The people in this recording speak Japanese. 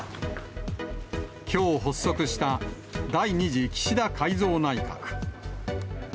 きょう発足した第２次岸田改造内閣。